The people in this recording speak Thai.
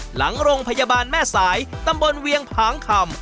หลังโรงพยาบาลแม่สายตำบลเวียงผางคำ